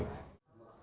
để con cháu